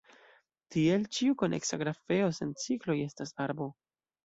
Tiel, ĉiu koneksa grafeo sen cikloj estas arbo.